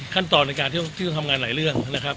ขั้นตอนในการที่จะทำงานหลายเรื่องนะครับ